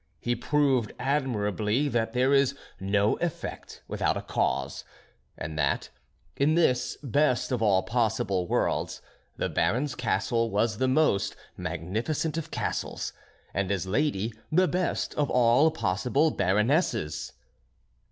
He proved admirably that there is no effect without a cause, and that, in this best of all possible worlds, the Baron's castle was the most magnificent of castles, and his lady the best of all possible Baronesses.